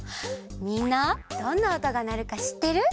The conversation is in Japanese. みんなどんなおとがなるかしってる？